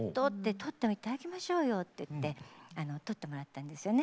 「撮っていただきましょうよ」って言って撮ってもらったんですよね。